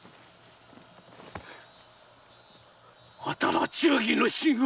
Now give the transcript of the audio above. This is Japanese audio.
あたら忠義の臣を！